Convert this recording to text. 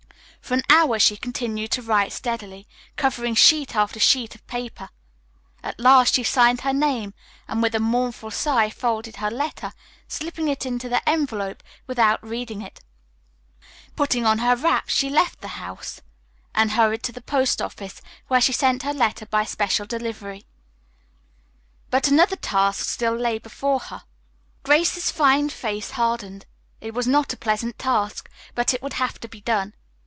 For an hour she continued to write steadily, covering sheet after sheet of paper. At last she signed her name, and with a mournful sigh folded her letter, slipping it into the envelope without reading it. Putting on her wraps, she left the house and hurried to the post office, where she sent her letter by special delivery. But another task still lay before her. Grace's fine face hardened. It was not a pleasant task, but it would have to be done.